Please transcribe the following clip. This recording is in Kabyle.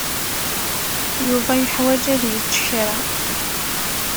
Yuba yeḥwaj ad yečč kra.